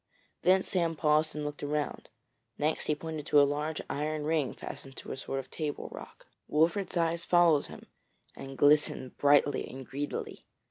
Then Sam paused and looked round; next he pointed to a large iron ring fastened to a sort of table rock. Wolfert's eyes followed him, and glistened brightly and greedily.